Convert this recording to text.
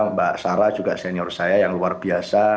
mbak sarah juga senior saya yang luar biasa